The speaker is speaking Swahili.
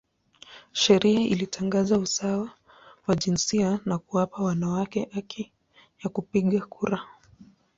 Sheria ilitangaza usawa wa jinsia na kuwapa wanawake haki ya kupiga kura.